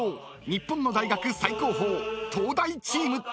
日本の大学最高峰東大チーム］